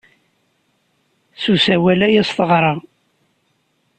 S usawal ay as-teɣra.